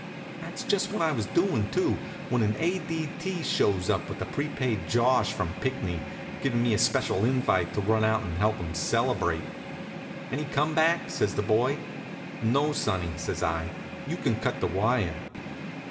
That's just what I was doin', too, when an A. D. T. shows up with a prepaid josh from Pinckney, givin' me a special invite to run out and help 'em celebrate. "Any come back?" says the boy. "No, sonny," says I; "you can cut the wire."